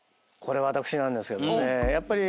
これ私なんですけどね。